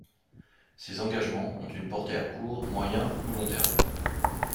Ses engagements ont une portée à court, moyen ou long terme.